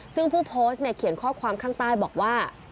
ซึ่งผู้โพสต์เนี่ยเขียนข้อความข้างใต้บอกว่า